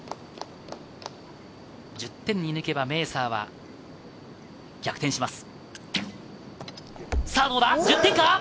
１０点を射抜けばメーサーは逆転します。